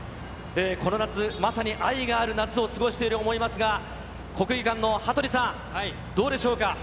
この夏、まさに愛がある夏を過ごしていると思いますが、国技館の羽鳥さん、どうでしょうか。